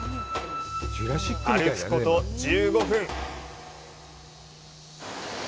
歩くこと１５分。